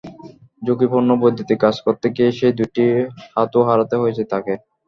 ঝুঁকিপূর্ণ বৈদ্যুতিক কাজ করতে গিয়ে সেই দুটি হাতও হারাতে হয়েছে তঁাকে।